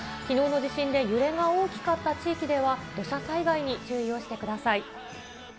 きのうの地震で揺れが大きかった地域では、土砂災害に注意をしてください。